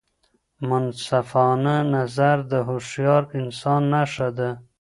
منصفانه نظر د هوښیار انسان نښه ده.